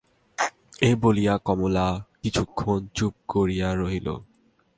এই বলিয়া কমলা কিছুক্ষণ চুপ করিয়া রহিল।